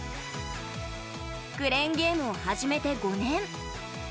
クレーンゲームを始めて５年。